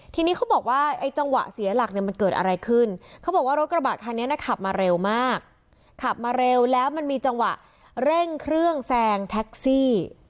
ทีนี้เขาบอกว่าไอ้จังหวะเสียหลักเนี่ยมันเกิดอะไรขึ้นเขาบอกว่ารถกระบะคันนี้นะขับมาเร็วมากขับมาเร็วแล้วมันมีจังหวะเร่งเครื่องแซงแท็กซี่